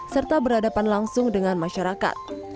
serta berhadapan langsung dengan masyarakat